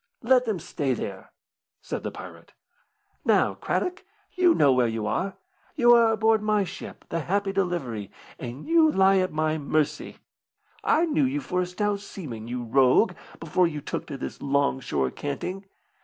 "Let them stay there," said the pirate. "Now, Craddock, you know where you are. You are aboard my ship, the Happy Delivery, and you lie at my mercy. I knew you for a stout seaman, you rogue, before you took to this long shore canting.